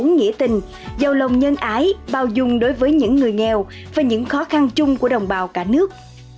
nghĩa tình giàu lòng nhân ái bao dung đối với những người nghèo và những khó khăn chung của đồng bào cả nước